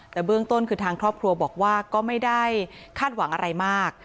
แต่เบื้องต้นคือทางครอบครัวบอกว่าก็ไม่ได้คาดหวังอะไรมาก